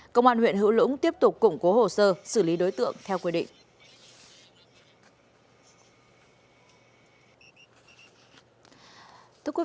công an huyện hữu lũng tiếp tục củng cố hồ sơ xử lý đối tượng theo quy định